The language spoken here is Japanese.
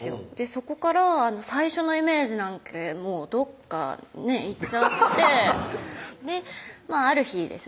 そこから最初のイメージなんてどっかいっちゃってある日ですね